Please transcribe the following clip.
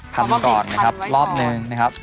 ทำก่อนนะครับรอบหนึ่งนะครับ